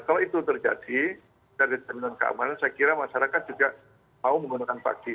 kalau itu terjadi jaminan keamanan saya kira masyarakat juga mau menggunakan pagi